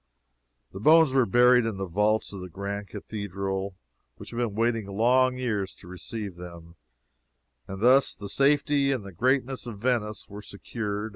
The bones were buried in the vaults of the grand cathedral, which had been waiting long years to receive them, and thus the safety and the greatness of Venice were secured.